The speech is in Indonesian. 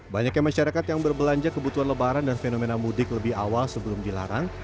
banyaknya masyarakat yang berbelanja kebutuhan lebaran dan fenomena mudik lebih awal sebelum dilarang